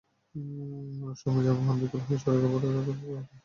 অনেক সময় যানবাহন বিকল হয়ে সড়কে পড়ে থাকায় যোগাযোগ বন্ধ হয়ে যায়।